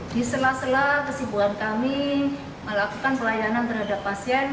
di sela sela kesibuan kami melakukan pelayanan terhadap pasien